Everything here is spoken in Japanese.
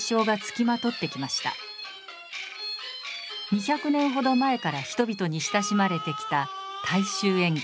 ２００年ほど前から人々に親しまれてきた大衆演劇。